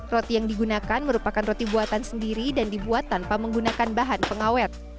roti yang digunakan merupakan roti buatan sendiri dan dibuat tanpa menggunakan bahan pengawet